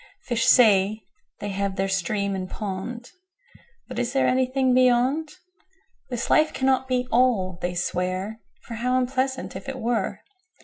5Fish say, they have their Stream and Pond;6But is there anything Beyond?7This life cannot be All, they swear,8For how unpleasant, if it were!